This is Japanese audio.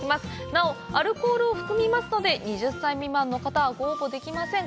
なお、アルコールを含みますので２０歳未満の方は応募できません。